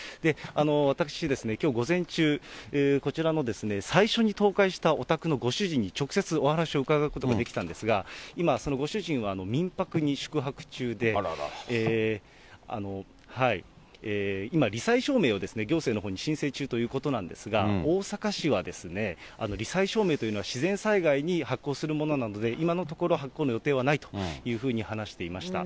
私、きょう午前中、こちらの最初に倒壊したお宅のご主人に直接、お話を伺うことができたのですが、今、そのご主人は民泊に宿泊中で、今、り災証明を行政のほうに申請中ということなんですが、大阪市は、り災証明というのは自然災害に発行するものなので、今のところ発行の予定はないというふうに話していました。